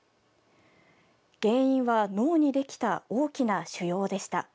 原因は脳にできた大きな腫瘍でした。